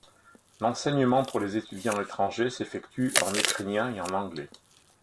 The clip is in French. L’enseignement pour les étudiants étrangers s’effectue en ukrainien et en anglais.